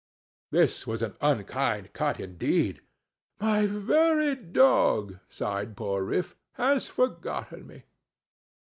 This was an unkind cut indeed—"My very dog," sighed poor Rip, "has forgotten me!"